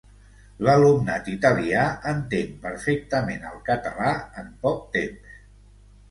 L'alumnat italià entén perfectament el català en poc temps...